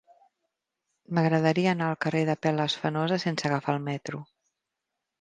M'agradaria anar al carrer d'Apel·les Fenosa sense agafar el metro.